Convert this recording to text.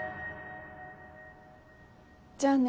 じゃあね仁。